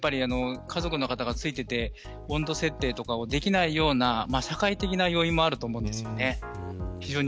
家族の方が付いていて温度設定とかをできないような社会的な要因もあると思うんですよね。